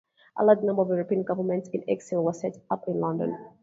A large number of European governments-in-exile were set up in London.